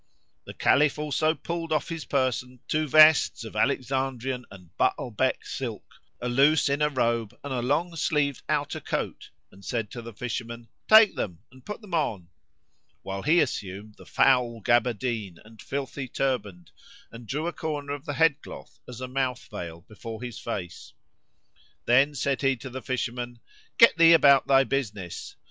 The Caliph also pulled off his person two vests of Alexandrian and Ba'lbak silk, a loose inner robe and a long sleeved outer coat, and said to the fisherman, "Take them; and put them on," while he assumed the foul gaberdine and filthy turband and drew a corner of the head cloth as a mouth veil[FN#56] before his face. Then said he to the fisherman, "Get thee about thy business!"